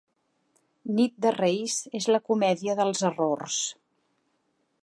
Nit de Reis és la comèdia dels errors.